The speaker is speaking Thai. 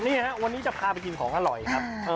นี่ฮะวันนี้จะพาไปกินของอร่อยครับ